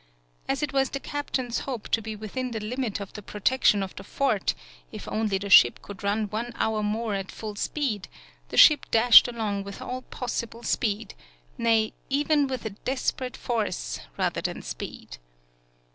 As it was the captain's hope to be within the limit of the protection of the fort, if only the ship could run one hour more at full speed, the ship dashed along with all possible speed, nay, even with a desperate force rather than speed.